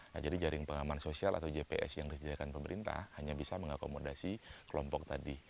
nah jadi jaring pengaman sosial atau jps yang disediakan pemerintah hanya bisa mengakomodasi kelompok tadi